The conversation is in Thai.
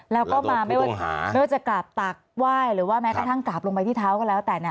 แล้วก็มาไม่ว่าไม่ว่าจะกราบตักไหว้หรือว่าแม้กระทั่งกราบลงไปที่เท้าก็แล้วแต่นะ